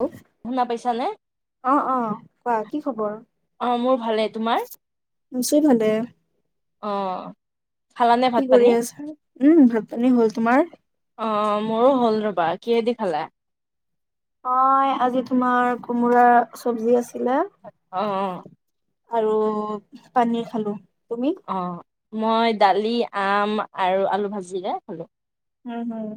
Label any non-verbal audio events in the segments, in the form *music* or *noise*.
অ শুনা পাইছানে? অ কোৱা কি খবৰ? অ', মোৰ ভালে, তোমাৰ? আছোঁ ভালে। অ'। খালানে কি ভাত পানী? কৰি আছা? উম, ভাত-পানী হ'ল তোমাৰ? অ', মোৰো হ'ল ৰ'বা, কিহে দি খালা? অ', আজি তোমাৰ কোমোৰা চব্জি আছিলে। অ', অ'। আৰু পনীৰ খালো। তুমি? অ', মই দালি আম আৰু আলু ভাজিৰে খালোঁ। উম, হম।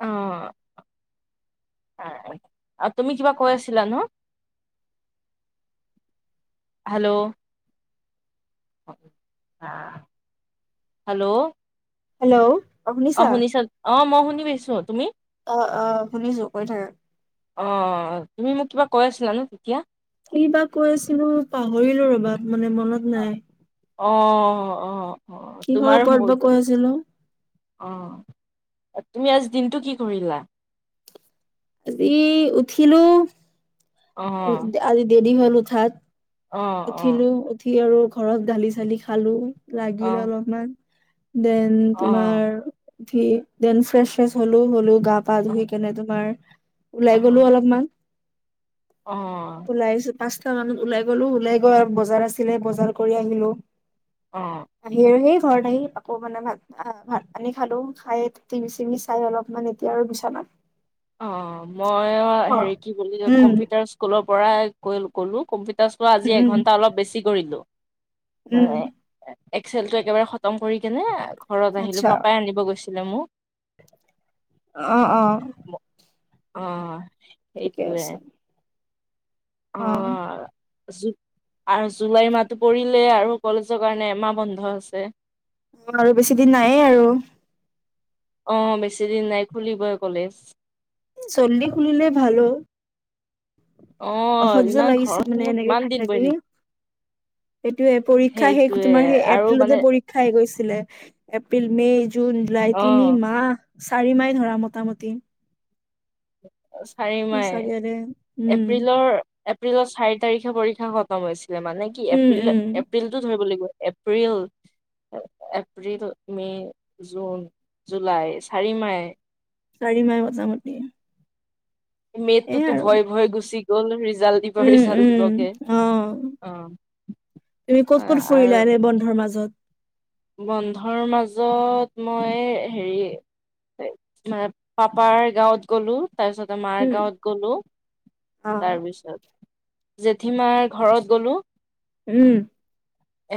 অ'। আৰু তুমি কিবা কৈ আছিলা ন'? হেল্ল'? হেল্ল'? হেল্ল'? অ', শুনিছা অ', মই শুনি পাইছো, তুমি? অ', অ', শুনিছো কৈ থাকা। অ', তুমি মোক কিবা কৈ আছিলা ন' তেতিয়া? কি বা কৈ আছিলো পাহৰিলো ৰ'বা মানে মনত নাই, অ' অ' অ' তোমাৰ কিহৰ মোৰ ওপৰত বা কৈ আছিলো। অ তুমি আজি দিনটো কি কৰিলা? আজি উঠিলো অ' আজি দেৰি হ'ল উঠাত। অ' অ' উঠিলো উঠি আৰু ঘৰত গালি চালি খালো, লাগিল অ' অলপমান দেন অ'। তোমাৰ উঠি দেন ফ্ৰেছ শ্ৰেছ হলোঁ। গা পা অ ধুই কেনে তোমাৰ অ', ওলাই গলো অলপমান। অ ওলাইছো পাঁচটা মানত ওলাই গ'লো ওলাই গৈ আৰু বজাৰ আছিলে বজাৰ কৰি আহিলো। অ আহি আৰু সেই ঘৰৰত আহি আকৌ মানে ভাত আহ ভাত পানী খালো খাই টিভি চিভি চাই অলপমান এতিয়া আৰু বিচনাত অ মই শুম হেৰি আৰু কি বুলি উম কম্পিউটাৰ স্কুলৰ পৰাই ক ক'লোঁ কম্পিউটাৰ চোৱা আজি উম এঘণ্টা অলপ বেছি কৰিলোঁ উম মানে এক্সেলটো একেবাৰে খতম কৰি কেনে ঘৰত আহিলো আচ্ছা পাপাই আনিব গৈছিলে মোক অ অ অ ঠিকে সেইটোৱে আছে অ জ আৰু জুলাই মাহটো পৰিলে আৰু কলেজৰ কাৰণে এমাহ বন্ধ আছে। আৰু বেছি দিন নাইয়ে আৰু অ বেছি দিন নাই খুলিবই কলেজ। জল্দি খুলিলে ভালো অ। অসহ্য ইমান লাগিছে ঘৰত মানে নো এনেকে কিমান থাকি দিন থাকি বহি থাকিম সেইটোয়ে পৰীক্ষা শেষ সেইটোয়ে তোমাৰ সেই আৰু এপ্ৰিলটো মানে পৰী খাই গৈছিলে এপ্ৰিল, মে', জুন, জুলাই তিনি অ', মাহ চাৰি মাহই ধৰা মোটামুটি চাৰি মাহই সঁচাকে দে উম, এপ্ৰিলৰ এপ্ৰিলত চাৰি তাৰিখে পৰীক্ষা খতম হৈছিলে মানে কি উম, উম, এপ্ৰিলত এপ্ৰিলটো ধৰিব লাগিব April April, May, June, July চাৰি মাহই চাৰি মাহ মোটামটি মে, তুটো ভয়ে ভয় গুচি গ'ল ৰিজাল্ট দিব উম ৰিজাল্ট উম দিবকে অহ অ তুমি ক'ত ক'ত আৰু ফুৰিলা এনে বন্ধৰ মাজত বন্ধৰ মাজত মই হেৰি মানে পাপাৰ গাঁৱত গ'লো। তাৰ পিছতে মাৰ উম, গাঁৱত গলো, অ', তাৰপিছত জেঠীমাৰ ঘৰত গ'লোঁ। উম এ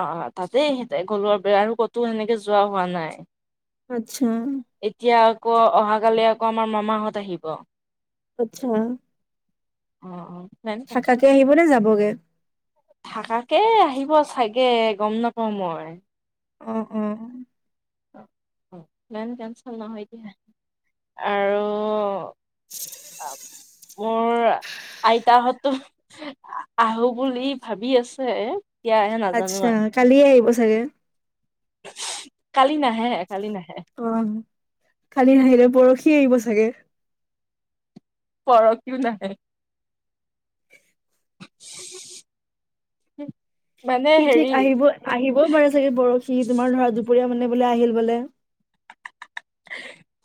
অ তাতেই সিহঁতে ঘৰত গ'লো আৰু ক'তো সেনেকে যোৱা হোৱা নাই। আচ্ছা এতিয়া আকৌ অহাকালি আকৌ আমাৰ মামাহঁত আহিব। আচ্ছা অ অ থাকাকে আহিব নে যাবগে থাকাকে আহিব চাগে, গম নাপাওঁ মই। উম, উম। প্লেন কেন্সেল নহয় দিয়া। আৰু মোৰ আইতাহঁতো আহোঁ বুলি ভাবি আছে। আহে নাজানো আচ্ছা, আৰু কালিয়ে আহিব চাগে। কালি নাহে, কালি নাহে। অ', কালি নাহিলে, পৰহি আহিব চাগে। পৰহিও নাহে। *unintelligible* মানে কি ঠিক, হেৰি আহিব-আহিবও পাৰে চাগে পৰহি। তোমাৰ ধৰা, দুপৰীয়া মানে বোলে আহিল বোলে। *unintelligible*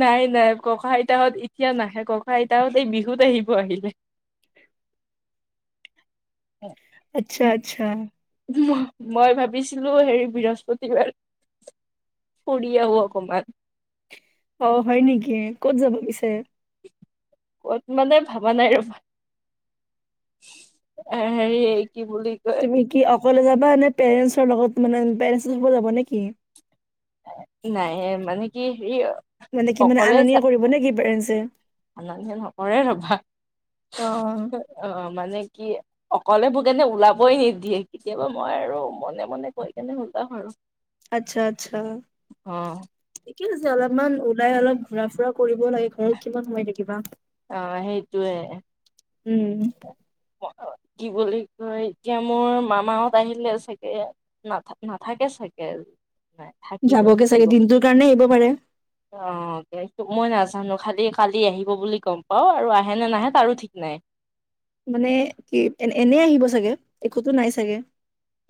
নাই, নাই। ককা- আইতাহঁত এতিয়া নাহে, ককা- আইতাহঁত এই বিহুত আহিব আহিলে। আচ্ছা, আচ্ছা। মই ভাবিছিলোঁ, হেৰি বৃহস্পতিবাৰ ফুৰি আহোঁ অকণমান। অ', হয় নেকি, ক'ত যাব পিছে? ক'ত মানে, ভাবা নাই ৰ'বা। এ, হেৰি, কি বুলি কয়? তুমি কি অকলে যাবা নে? পেৰেণ্টছৰ লগত মানে, পেৰেণ্টছৰ লগত যাব নে কি? নাই, মানে কি হেৰি অ', মানে কি, মানে অনা- নিয়া কৰিব নে কি পেৰেণ্টছে? অনা-নিয়া নকৰে ৰ'বা। অ', মানে কি অকলে মোক এনে ওলাবই নিদিয়ে, কেতিয়াবা মই আৰু মনে মনে গৈ কেনে ওলাম আৰু। আচ্ছা, আচ্ছা। অ ঠিকে আছে। অলপমান ওলাই অলপ ঘূৰা-ফুৰা কৰিবও লাগে, ঘৰত কিমান সোমাই থাকিবা। অ', সেইটোয়ে। উম। কি বুলি কয়, এতিয়া মোৰ মামাহতঁ আহিলে চাগে। নাথা-নাথাকে চাগে। নাই থাকিব যাবগে চাগে, থাকিব দিনটোৰ কাৰণে আহিব পাৰে। অ', সেইটো মই নাজানো, খালি কালি আহিব বুলি গম পাওঁ আৰু, আহে নে নাহে তাৰো ঠিক নাই। মানে কি, এ, এই, এনে আহিব চাগে, একোতো নাই চাগে।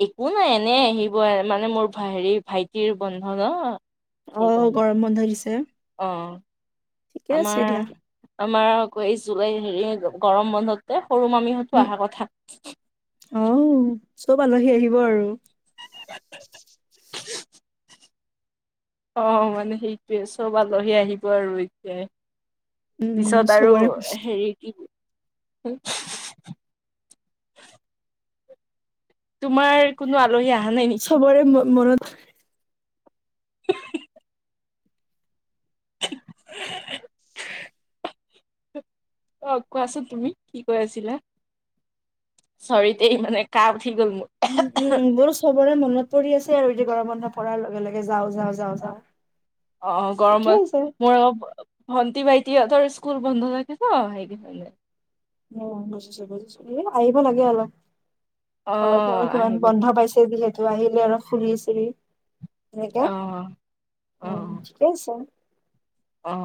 একো নাই, এনে আহিব মানে, মোৰ হেৰি ভাইটিৰ বন্ধ ন। অ সেইকাৰণে, গৰম বন্ধ দিছে অ', ঠিকে আছে আমাৰ দিয়া আমাৰ আকৌ এই জুলাই, হেৰি, গৰম বন্ধতে সৰু মামিহঁতো উম। অহা কথা। অ', চব আলহী আহিব আৰু। *unintelligible* অ', মানে সেইটোয়ে, চব আলহী আহিব আৰু এতিয়াই। উম, উম, পিছত আৰু চবৰে হেৰি কি তোমাৰ, কোনো আলহী অহা নাই নেকি? পৰে মোৰ মনত। বাত *unintelligible* অ', কোৱাচোন তুমি, কি কৈ আছিলা? চৰি দেই মানে, কাহ উঠি গ'ল মোৰ। উম, উম, মোৰো চবৰে মনত পৰি আছে আৰু, এতিয়া গৰম বন্ধ পৰাৰ লগে লগে যাওঁ যাওঁ যাওঁ। অ অ ঠিকেই আছে গৰমত মোৰ অলপ *inaudible* ভন্টী ভাইটিহতৰ স্কুল বন্ধ থাকে ন সেই বিষয় লৈ অ বুজিছো বুজিছো এ আহিব লাগে অলপ অ ঘৰতো আৰু কিমান আহিব বন্ধ পাইছে যিহেতু আহিলে আৰু ফুৰি চুৰি এনেকে অ উ অ ঠিকে আছে অ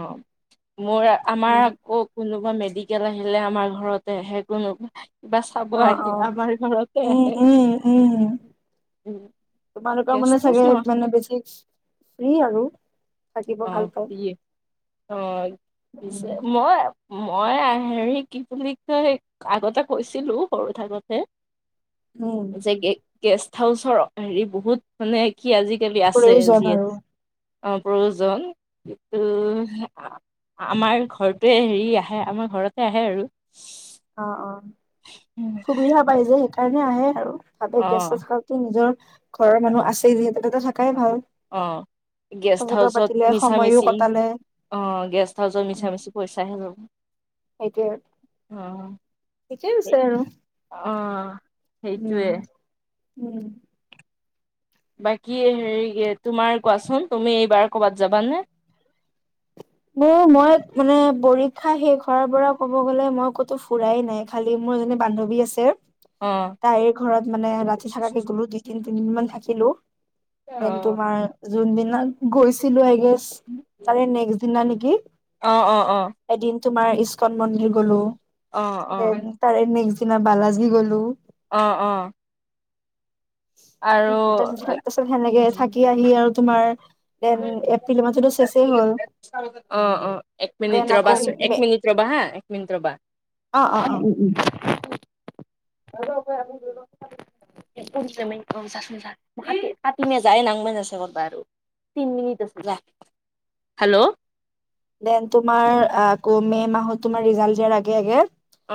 মোৰ আমাৰ উম, আকৌ কোনোবা মেডিকেল আহিলে আমাৰ ঘৰতে সে কোনোবা কিবা চাব অ আহি অ আমাৰ ঘৰতে উম আহে উম উম উম তোমালোকৰ গেষ্ট মানে হাউচ চাগে হেইত নহয় মানে বেছি ফ্ৰী আৰু থাকিব অ ভাল পায় ফ্ৰী অ উম, পিছে মই মই হেৰি কি বুলি কয় আগতে কৈছিলো সৰু থাকোতে *unintelligible* উম যে গে গেষ্ট হাউছৰ হেৰি বহুত মানে কি আজিকালি আছে ফুৰিও যোৱা যিহেত আৰু অ প্ৰয়োজন কিন্তু হে আ আমাৰ ঘৰটোৱে হেৰি আহে আমাৰ ঘৰতে আহে আৰু অ' অ' সুবিধা পাই যে সেইকাৰণে আহে আৰু ভাবে অ' গেছ চেছ হাও নিজৰ ঘৰৰ মানুহ আছে যিহেতু তাতে থাক কাই ভাল অ'। গেষ্ট কথা চতা হাউচত পাতিলে সময়ো মিছামিচি কটালে। অ' গেষ্ট হাউচৰ উম মিছা মিছি পইচাহে ল'ব অ' ঠিকে সেই আছে আৰু উম, সেইটোয়ে উম। বাকী এ হেৰি কে তোমাৰ কোৱাচোন তুমি এইবাৰ ক'বাত যাবানে। মোৰ মই মানে পৰীক্ষা শেষ হোৱাৰ পৰা ক'ব গ'লে মই ক'তো ফুৰাই নাই। খালি মোৰ এজনী বান্ধৱী আছে অ', তাইৰ ঘৰত মানে ৰাতি থাকাকে গলো দুই তিনিদিন মান থাকিলো। যেন অ', তোমাৰ যোনদিনা গৈছিলো এগেছ তাৰে নেক্স দিনা নেকি অ', অ', এদিন তোমাৰ ইস্কন মন্দিৰ গলো। অ' অ' তাৰে নেক্সট দিনা বালাজি গ'লো। অ' অ' আৰু তাৰছত সেনেকে থাকি আহ সি আৰু তোমাৰ দেন এপ্ৰিল মাহটোতো চেছে হ'ল। অ' অ' এক দেন মিনিট আকৌ ৰবাছ মে এক মিনিট ৰবা হা এক মিনিট ৰবা অ অ অ উ উ আৰু এটা আজি ব্যৱস্থা কৰিম। *inaudible* *unintelligible* তিন মিনিট আছে যা হেল্ল' দেন তোমাৰ আকৌ মে মাহত তোমাৰ ৰিজাল্ট দিয়াৰ আগে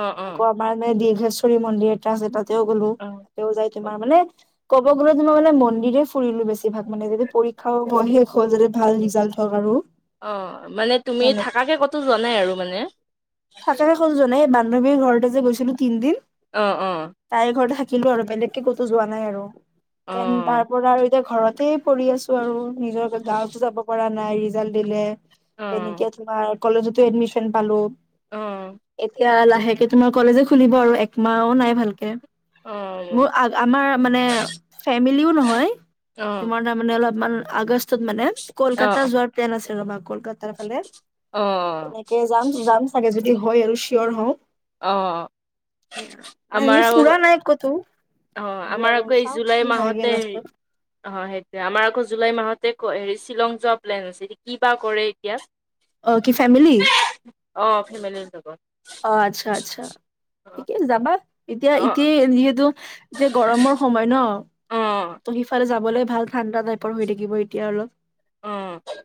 অ', অ'। আকৌ তোমাৰ মানে দীৰ্ঘেশ্বৰী মন্দিৰ এটা আছে তাতেও গ'লো অ তাতেও যাই তোমাৰ মানে ক'ব গ'লে তোমাৰ মই মানে মন্দিৰে ফুৰিলো বেছিভাগ মানে যাতে পৰীক্ষাও শেষ হল যাতে ভাল ৰিজাল্ট হওক আৰু। অ' মানে তুমি সেনে থাকাকে ক'তো যোৱা নাই আৰু মানে। থাকাকে কতো জোৱা নাই হে বান্ধৱীৰ ঘৰতে যে গৈছিলো তিনদিন অ' অ' তাই ঘৰতে থাকিলো আৰু বেলেগকে ক'তো যোৱা নাই আৰু অ দেন তাৰ পৰা আৰু এতিয়া ঘৰতে পৰি আছো আৰু নিজৰ গাঁৱতো যাব পৰা নাই ৰিজাল্ট দিলে অ তেনেকে তোমাৰ কলেজতো এডমিচন পালোঁ অ এতিয়া লাহেকে তোমাৰ কলেজো খুলিব আৰু এক মাহো নাই ভালকে। মোৰ আ আমাৰ মানে ফেমিলিও নহয় অ তোমাৰ *unintelligible* মানে অলপমান আগষ্টত মানে কলকাতা যোৱাৰ প্লেন আছে ৰবা আমাৰ কলকাতাৰ ফালে। অ তেতিয়াই যাম। যাম চাগে যদি হয় আৰু চিয়ৰ হওঁ। অ', সেয়া *unintelligible* ফুৰা নাই কতো। অঁ কিন্তু আমাৰ আৰু আকৌ এই চাওঁ কি জুলাই হয়গে মাহতে লাষ্টত অঁ সেইটোৱে আমাৰ আকৌ জুলাই মাহতে হেৰি শ্বিলং যোৱা প্লেন আছে এ কিবা কৰে এতিয়া। *inaudible* অঁ কি ফেমিলি? *inaudible* অঁ ফেমিলিৰ লগত। অ আচ্ছা-আচ্ছা অ ঠিকে যাবা। এতিয়া অ এতিয়াই যিহেতু এতিয়া গৰমৰ সময় ন' অ ত' সিফালে যাবলৈ ভাল ঠাণ্ডা টাইপৰ হৈ থাকিব এতিয়া অলপ। অঁ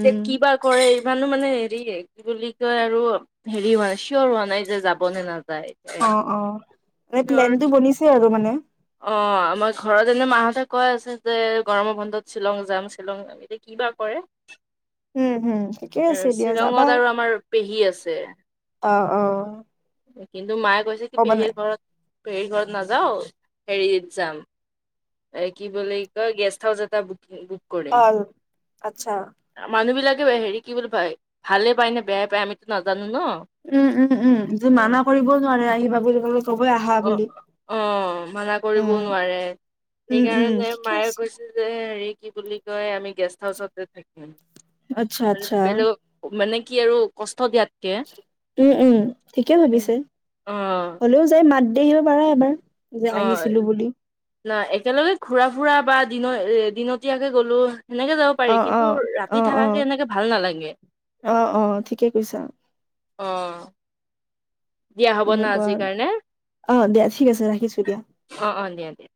এতিয়া কিবা কৰে ইমানো মানে হেৰি কি বুলি কয় আৰু হেৰি হোৱা নাই চিয়'ৰ হোৱা নাই যে যাব নে নাযায়। অঁ-অঁ! মানে প্লেনটো বনিছে আৰু মানে। অঁ আমাৰ ঘৰত এনে মাহঁতে কৈ আছে যে গৰমৰ বন্ধত শ্বিলং যাম শ্বিলং। এতিয়া কিবা কৰে। উম হুম ঠিকে এ আছে দিয়া শ্বিলঙত আৰু আমাৰ পেহী আছে। অঁ-অঁ। কিন্তু মায়ে কৈছে কি পেহীৰ ঘৰত পেহীৰ ঘৰত নাযাওঁ হেৰিত যাম এ কি বুলি কয় গেষ্ট হাউচ এটা বুকিং *unintelligible* অঁ! আচ্ছা। মানুহ বিলাকে হেৰি কি বুলি পাই ভালে পায় নে বেয়াই পায় আমিতো নাজানো ন। উম-উম-উম, যে মানা কৰিব নোৱাৰে আহিবা বুলি ক'লে। কবই আহা বুলি অঁ-অঁ, মানা কৰিবও উম নোৱাৰে উম উম সেইকাৰণে ঠিকে মায়ে আছে কৈছে যে হেৰি কি বুলি কয় আমি গেষ্ট হাউচতে থাকিম। আচ্ছা আচ্ছা বেলেগ *unintelligible* মানে কি আৰু কষ্ট দিয়াত উম-উম, ঠিকেই ভাবিছে অ হ'লেও যায় মাত দি আহিব পাৰা এবাৰ। যে অঁ। আহিছিলো বুলি না একেলগে ঘুৰা ফুৰা বা দিন এ দিনতীয়াকে গ'লো সেনেকে যাব অ পাৰি অ কিন্তু অ ৰাতি অ থাকাকে এনেকে ভাল নালাগে। অ', অ', ঠিকে কৈছা অঁ! দিয়া হ'ব ন এনেকুৱা আজিৰ আৰু কাৰণে। অ', দিয়া ঠিক আছে ৰাখিছো দিয়া। অঁ-অঁ, দিয়া-দিয়া।